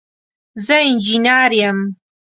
زه انجينر يم.